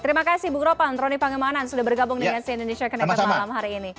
terima kasih bung ropan trony pangemanan sudah bergabung dengan si indonesia connected malam hari ini